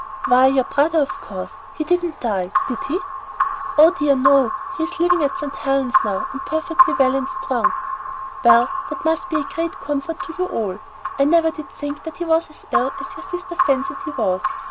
"Why, your brother of course. He didn't die, did he?" "Oh dear, no! He is living at St. Helen's now, and perfectly well and strong." "Well, that must be a great comfort to you all. I never did think that he was as ill as your sister fancied he was.